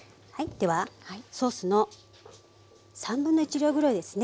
ではソースの1/3量ぐらいですね。